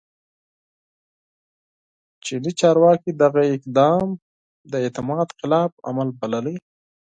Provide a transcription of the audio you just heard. چیني چارواکي دغه اقدام د اعتماد خلاف عمل بللی